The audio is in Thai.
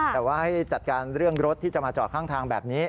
แต่ว่าให้จัดการเรื่องรถที่จะมาจอดข้างทางแบบนี้